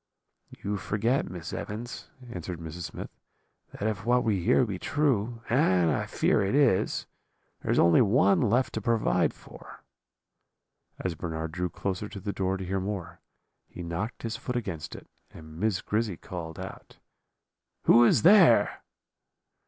"'You forget, Miss Evans,' answered Mrs. Smith, 'that if what we hear be true and I fear it is there is only one left to provide for.' "As Bernard drew closer to the door to hear more, he knocked his foot against it, and Miss Grizzy called out: "'Who is there?'